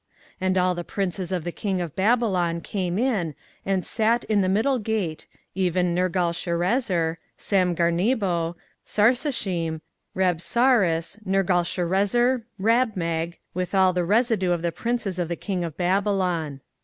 24:039:003 And all the princes of the king of Babylon came in, and sat in the middle gate, even Nergalsharezer, Samgarnebo, Sarsechim, Rabsaris, Nergalsharezer, Rabmag, with all the residue of the princes of the king of Babylon.